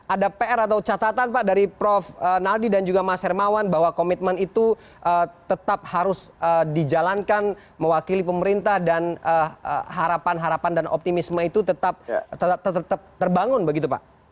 ada pr atau catatan pak dari prof naldi dan juga mas hermawan bahwa komitmen itu tetap harus dijalankan mewakili pemerintah dan harapan harapan dan optimisme itu tetap terbangun begitu pak